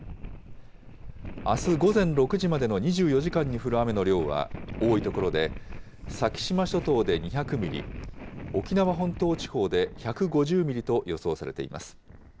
あす午前６時までの２４時間に降る雨の量は多い所で、先島諸島で２００ミリ、沖縄本島地方で１５０ミリと予想されています。